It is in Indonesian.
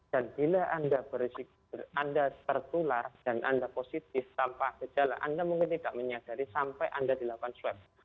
dan bila anda tertular dan anda positif tanpa gejala anda mungkin tidak menyadari sampai anda dilakukan swab